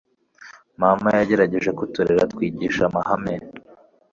Mama yagerageje kuturera atwigisha amahame